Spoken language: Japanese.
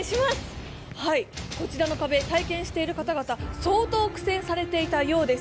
こちらの壁、体験した方々、相当苦戦していたようです。